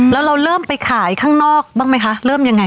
แล้วเราเริ่มไปขายข้างนอกบ้างไหมคะเริ่มยังไง